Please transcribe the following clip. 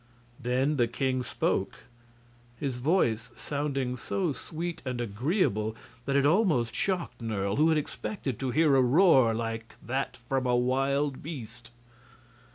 Then the king spoke, his voice sounding so sweet and agreeable that it almost shocked Nerle, who had expected to hear a roar like that from a wild beast.